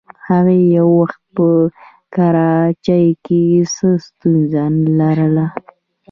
هغې یو وخت په کراچۍ کې څه ستونزه لرله.